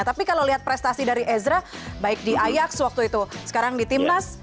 tapi kalau lihat prestasi dari ezra baik di ayaks waktu itu sekarang di timnas